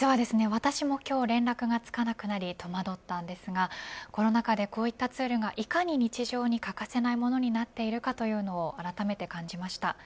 私も今日連絡がつかなくなり戸惑ったんですがコロナ禍でこういったツールがいかに日常に欠かせないものになっているかというのをあらためて感じました。